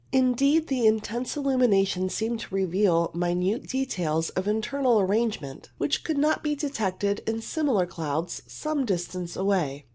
Indeed, the intense illumination seemed to reveal minute details of internal arrangement which could not be detected in similar clouds some distance away.